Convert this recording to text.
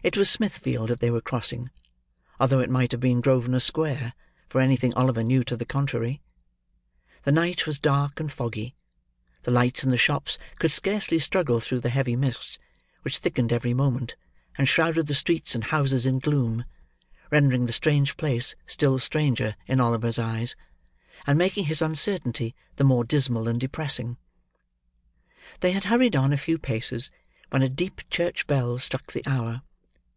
It was Smithfield that they were crossing, although it might have been Grosvenor Square, for anything Oliver knew to the contrary. The night was dark and foggy. The lights in the shops could scarecely struggle through the heavy mist, which thickened every moment and shrouded the streets and houses in gloom; rendering the strange place still stranger in Oliver's eyes; and making his uncertainty the more dismal and depressing. They had hurried on a few paces, when a deep church bell struck the hour.